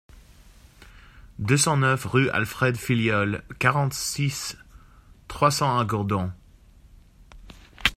deux cent neuf rue Alfred Filliol, quarante-six, trois cents à Gourdon